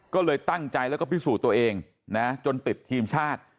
ก็เลยตั้งใจแล้วก็พิสูจน์ตัวเองนะจนติดทีมชาติ